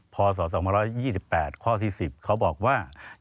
พศ๒๒๒๘เขาบอกว่าจุดที่๑๐